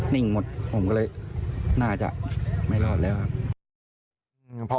นิ่งหมดผมก็เลยน่าจะไม่รอดแล้วครับ